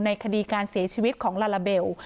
คดีการเสียชีวิตของลาลาเบล